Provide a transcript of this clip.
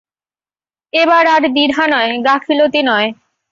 এবার আর দ্বিধা নয়, গাফিলতি নয়।